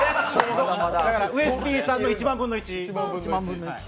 ウエスＰさんの１万分の１。